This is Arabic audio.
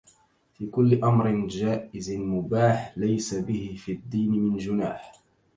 في كل أمر جائز مباح ليس به في الدين من جناح